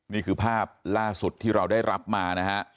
นี่คือภาพล่าสุดที่เราได้รับมานะฮะ